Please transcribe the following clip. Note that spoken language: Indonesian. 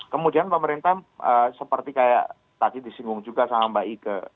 kemudian pemerintah seperti kayak tadi disinggung juga sama mbak ike